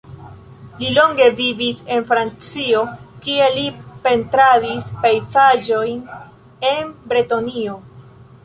Li longe vivis en Francio, kie li pentradis pejzaĝojn en Bretonio.